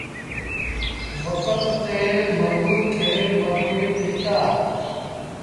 وکت تي مزور کي مزوريٚ ڏئيٚتآ۔